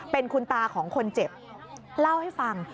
เป็นคุณตาของคนเจ็บเล่าให้ฟัง